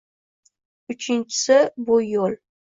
Uchinchisi, bu – yoʻl.